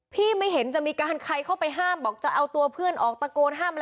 ไม่เห็นจะมีการใครเข้าไปห้ามบอกจะเอาตัวเพื่อนออกตะโกนห้ามอะไร